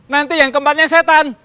nanti yang keempatnya setan